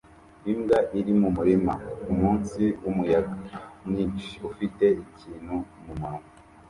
Imbwa iri mumurima kumunsi wumuyaga mwinshi ufite ikintu mumunwa